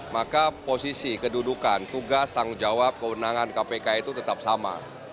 maka posisi kedudukan tugas tanggung jawab kewenangan kpk itu tetap sama